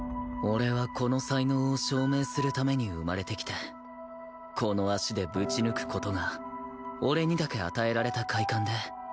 俺はこの才能を証明するために生まれてきてこの足でぶち抜く事が俺にだけ与えられた快感で